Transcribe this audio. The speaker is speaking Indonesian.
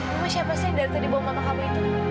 rumah siapa sih yang dari tadi bawa mamah kamu itu